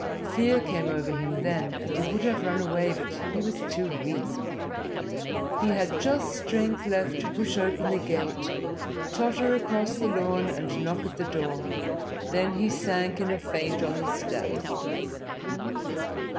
Fear came over him then, and he would have run away, but he was too weak. He had just strength left to push open the gate, totter across the lawn and knock at the door; then he sank in a faint on the steps.